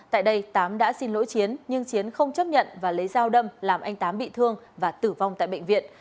tại đây tám đã xin lỗi chiến nhưng chiến không chấp nhận và lấy dao đâm làm anh tám bị thương và tử vong tại bệnh viện